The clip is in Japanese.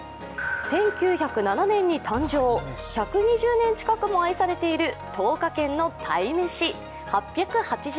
１９０７年に誕生、１２０年近くも愛されている東華軒の鯛めし８８０円。